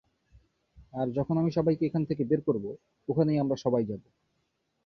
আর যখন আমি সবাইকে এখান থেকে বের করব, ওখানেই আমরা সবাই যাবো।